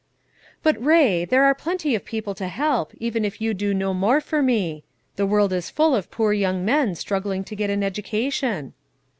"But, Ray, there are plenty of people to help, even if you do no more for me. The world is full of poor young men, struggling to get an education."